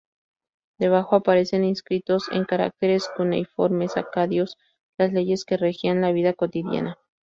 Debajo aparecen, inscritos en caracteres cuneiformes acadios, las leyes que regían la vida cotidiana.